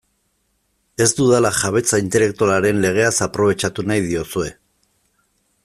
Ez dudala jabetza intelektualaren legeaz aprobetxatu nahi diozue.